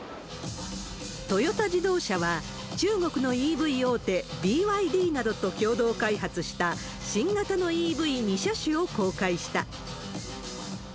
トヨタ自動車は中国のＥＶ大手、ＢＹＤなどと共同開発した、新型のＥＶ２車種を公開した。